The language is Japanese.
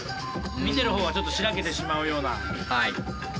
見てるほうはちょっとしらけてしまうような。